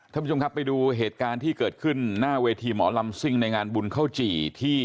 ท่านผู้ชมครับไปดูเหตุการณ์ที่เกิดขึ้นหน้าเวทีหมอลำซิ่งในงานบุญข้าวจี่ที่